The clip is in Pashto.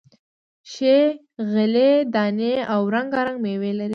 ښې غلې دانې او رنگا رنگ میوې لري،